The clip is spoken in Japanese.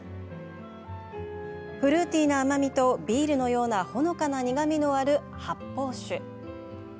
フルーティーな甘みとビールのようなほのかな苦みのある発泡酒。